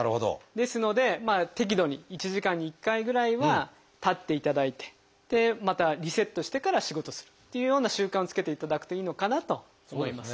ですので適度に１時間に１回ぐらいは立っていただいてまたリセットしてから仕事するっていうような習慣をつけていただくといいのかなと思います。